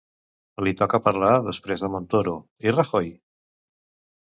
Li toca parlar després de Montoro i Rajoy?